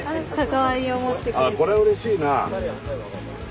これはうれしいな。